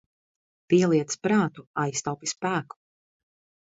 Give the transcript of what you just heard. Pieliec prātu, aiztaupi spēku.